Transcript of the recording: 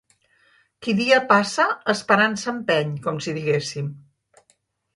Qui dia passa, esperança empeny, com si diguéssim.